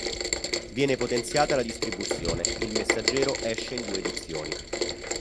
Viene potenziata la distribuzione: "Il Messaggero" esce in due edizioni.